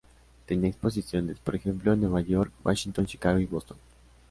Tenía exposiciones, por ejemplo en Nueva York, Washington, Chicago y Boston.